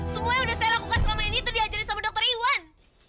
semua yang sudah saya lakukan selama ini itu diajarin sama dokter iwan